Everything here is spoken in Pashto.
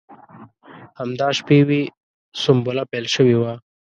همدا شپې وې سنبله پیل شوې وه.